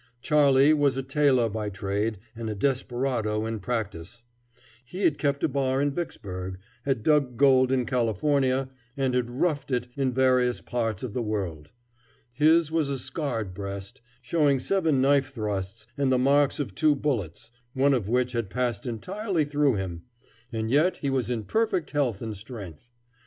Charley was a tailor by trade and a desperado in practice. He had kept a bar in Vicksburg, had dug gold in California, and had "roughed it" in various other parts of the world. His was a scarred breast, showing seven knife thrusts and the marks of two bullets, one of which had passed entirely through him. And yet he was in perfect health and strength.